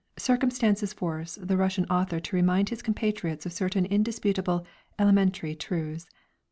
circumstances force the Russian author to remind his compatriots of certain indisputable, elementary truths.